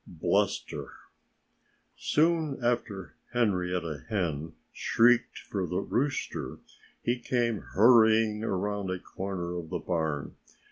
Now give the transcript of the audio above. XI BLUSTER Soon after Henrietta Hen shrieked for the rooster he came hurrying around a corner of the barn.